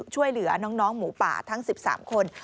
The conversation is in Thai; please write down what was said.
ช่วยเหลือน้องหมูป่าทั้ง๑๓คน